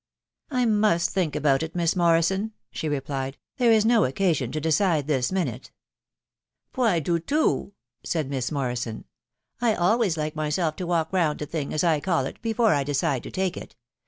" I must think about it, Miss Morrison/9 she replied; <c there is no occasion to decide this minute/' " Poing do too," said Miss Morrison ;" I always like myself to walk round a thing, as I call it, before I decide to take it.